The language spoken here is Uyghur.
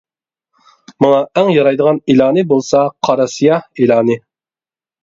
ماڭا ئەڭ يارايدىغان ئېلانى بولسا قارا سىياھ ئېلانى.